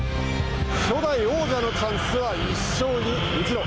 初代王者のチャンスは一生に一度。